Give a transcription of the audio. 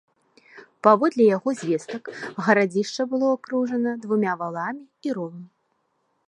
Паводле яго звестак, гарадзішча было акружана двума валамі і ровам.